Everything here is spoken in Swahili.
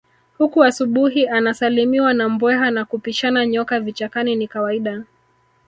Huku asubuhi anasalimiwa na mbweha na kupishana nyoka vichakani ni kawaida